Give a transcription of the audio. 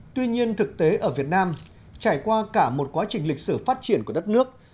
tuy nhiên thực tế ở việt nam trải qua cả một quá trình lịch sử phát triển của đất nước